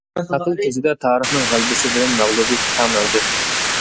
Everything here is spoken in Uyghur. ئەقىل كۆزىدە تارىخنىڭ غەلىبىسى بىلەن مەغلۇبىيىتى تەڭ مەۋجۇت.